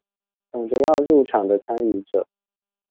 等著要入場的參與者